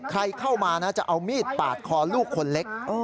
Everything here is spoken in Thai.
ใครเข้ามานะจะเอามีดปาดคอลูกคนเล็ก